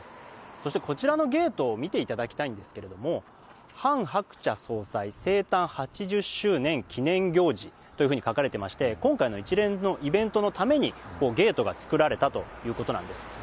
そしてこちらのゲートを見ていただきたいんですけれども、ハン・ハクチャ総裁生誕８０周年記念行事というふうに書かれていまして、今回の一連のイベントのためにゲートがつくられたということなんです。